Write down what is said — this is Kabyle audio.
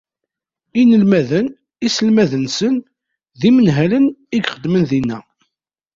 Inelmaden, iselmaden-nsen d yinemhalen i ixeddmen dinna.